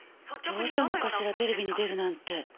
どうしたのかしらテレビに出るなんて。